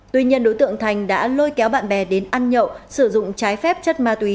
tuy nhiên đối tượng thành đã lôi kéo bạn bè đến ăn nhậu sử dụng trái phép chất ma túy